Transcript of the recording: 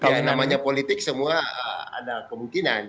kalau namanya politik semua ada kemungkinan